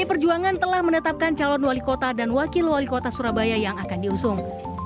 pdi perjuangan telah menetapkan calon wali kota dan wakil wali kota surabaya yang akan diusung